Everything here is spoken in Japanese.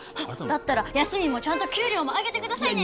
だったら休みもちゃんと給料も上げてくださいね。